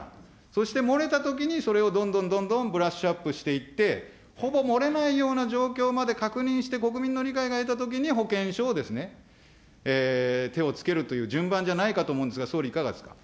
そして漏れたときにそれをどんどんどんどんブラッシュアップしていって、ほぼ漏れないような状況まで確認して、国民の理解が得たときに保険証をですね、手をつけるという順番じゃないかと思うんですが、総理、いかがですか。